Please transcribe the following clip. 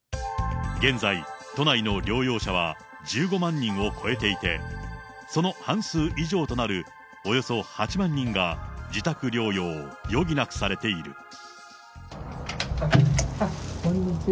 現在、都内の療養者は１５万人を超えていて、その半数以上となるおよそ８万人が自宅療養を余儀なくされている。